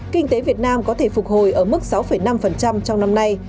kinh tế việt nam có thể phục hồi ở mức sáu năm trong năm nay